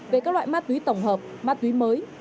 về các loại ma túy tổng hợp ma túy mới